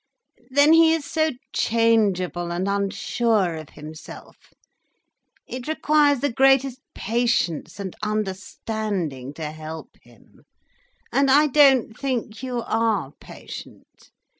Then he is so changeable and unsure of himself—it requires the greatest patience and understanding to help him. And I don't think you are patient.